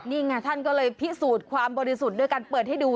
นี่ไงท่านก็เลยพิสูจน์ความบริสุทธิ์ด้วยการเปิดให้ดู